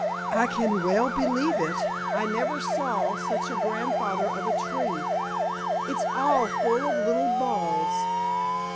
"I can well believe it. I never saw such a grandfather of a tree! It's all full of little balls."